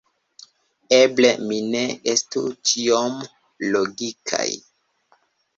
Eble ni ne estu tiom logikaj.